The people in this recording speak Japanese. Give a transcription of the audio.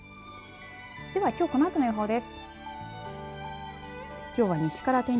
ではきょうこのあとの予報です。